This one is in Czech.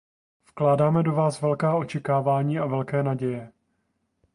Vkládáme do vás velká očekávání a velké naděje.